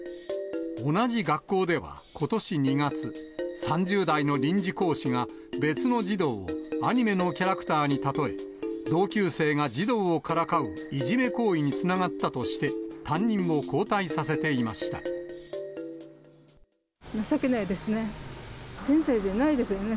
同じ学校ではことし２月、３０代の臨時講師が、別の児童をアニメのキャラクターに例え、同級生が児童をからかういじめ行為につながったとして、情けないですね。